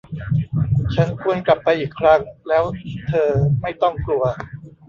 ฉันควรกลับไปอีกครั้ง แล้วเธอไม่ต้องกลัว